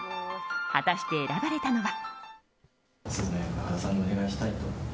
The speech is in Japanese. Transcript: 果たして、選ばれたのは。